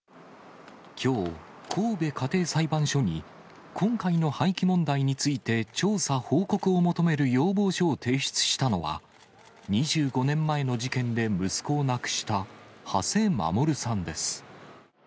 きょう、神戸家庭裁判所に、今回の廃棄問題について調査・報告を求める要望書を提出したのは、２５年前の事件で息子を亡くした土師守さんです。